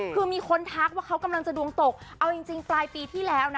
คือมีคนทักว่าเขากำลังจะดวงตกเอาจริงปลายปีที่แล้วนะ